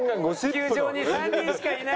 地球上に３人しかいないのに。